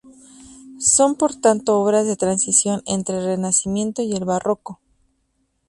Son por tanto obras de transición entre el Renacimiento y el Barroco.